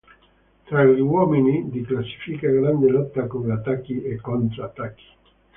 Tra gli uomini di classifica grande lotta con attacchi e contro-attacchi.